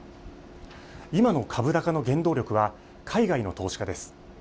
今の株高の原動力は海外の投資家です。